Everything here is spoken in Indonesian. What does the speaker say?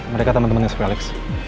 mereka teman temannya si felix